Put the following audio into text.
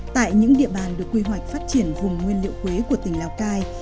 tại những địa bàn được quy hoạch phát triển vùng nguyên liệu quế của tỉnh lào cai